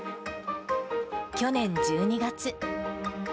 去年１２月。